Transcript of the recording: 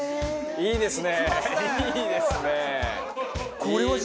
いいですね。